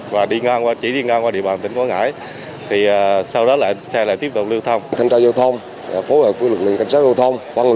và chỉ đi ngang qua địa bàn tỉnh quảng ngãi thì sau đó xe lại tiếp tục lưu thông